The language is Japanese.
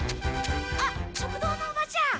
あっ食堂のおばちゃん！